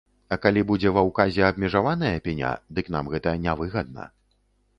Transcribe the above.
А калі будзе ва ўказе абмежаваная пеня, дык нам гэта не выгадна.